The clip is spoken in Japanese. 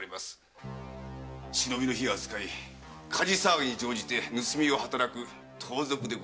忍びの火矢を使い火事騒ぎに乗じ盗みを働く盗賊でございます。